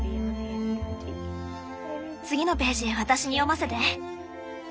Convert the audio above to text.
次のページ私に読ませて。